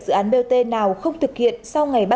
dự án bot nào không thực hiện sau ngày